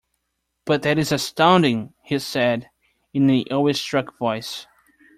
"But that is astounding," he said, in an awe-struck voice.